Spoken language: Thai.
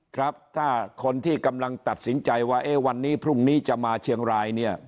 ครับถ้าคนที่กำลังตัดสินใจว่าวันนี้พรุ่งนี้จะมาเชียงรายเนี่ย